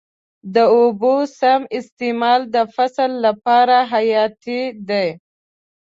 د اوبو سم استعمال د فصل لپاره حیاتي دی.